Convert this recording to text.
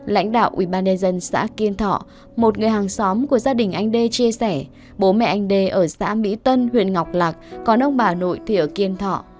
lãnh đạo ubnd xã kiên thọ một người hàng xóm của gia đình anh đê chia sẻ bố mẹ anh đê ở xã mỹ tân huyện ngọc lạc còn ông bà nội thì ở kiên thọ